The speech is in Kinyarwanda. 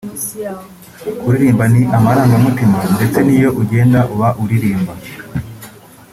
kuririmba ni amarangamutima ndetse n’iyo ugenda uba uririmba